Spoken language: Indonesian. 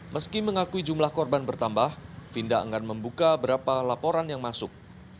meski mengakui jumlah korban bertambah finda enggan membuka berapa laporan yang masuk